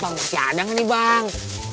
bang masih ada gak nih bang